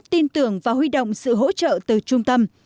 tin tưởng và huy động sự hỗ trợ từ trung tâm